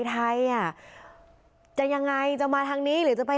สมบัติการพลังมีชาติรักษ์ได้หรือเปล่า